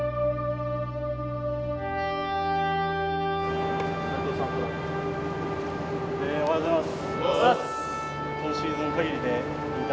おはようございます。